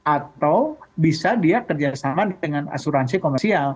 atau bisa dia kerjasama dengan asuransi komersial